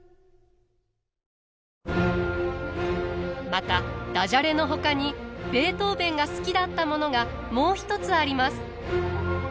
またダジャレの他にべートーヴェンが好きだったものがもう一つあります。